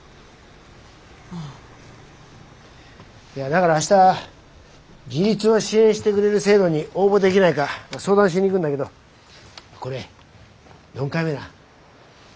だから明日自立を支援してくれる制度に応募できないか相談しに行くんだけどこれ４回目な。